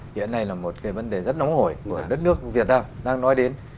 hiện nay là một cái vấn đề rất nóng hổi của đất nước việt nam đang nói đến